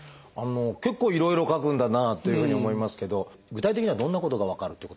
結構いろいろ書くんだなというふうに思いますけど具体的にはどんなことが分かるっていうことなんでしょう？